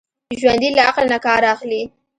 ژوندي له عقل نه کار اخلي